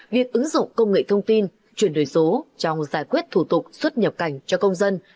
việc ứng dụng công nghệ thông tin chuyển đổi số trong giải quyết thủ tục xuất nhập cảnh cho công dân